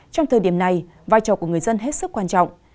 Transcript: trong thời điểm này vai trò của người dân hết sức quan trọng